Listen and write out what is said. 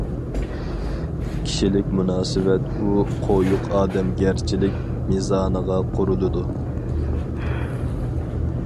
كىشىلىك مۇناسىۋەت ئۇ قويۇق ئادەمگەرچىلىك مىزانىغا قۇرۇلىدۇ.